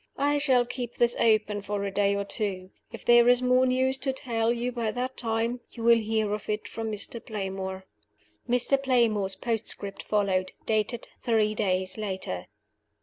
I shall keep this open for a day or two. If there is more news to tell you by that time you will hear of it from Mr. Playmore." Mr. Playmore's postscript followed, dated three days later.